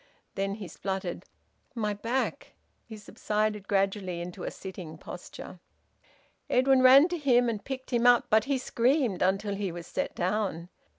Then he spluttered, "My back!" He subsided gradually into a sitting posture. Edwin ran to him, and picked him up. But he screamed until he was set down.